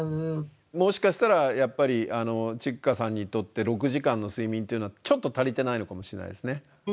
もしかしたらやっぱりｃｈｉｋｋａさんにとって６時間の睡眠っていうのはちょっと足りてないのかもしれないですね。